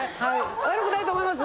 悪くないと思います？